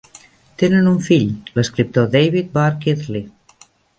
Tenen un fill, l'escriptor David Barr Kirtley.